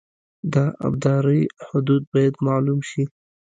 د ابدارۍ حدود باید معلوم شي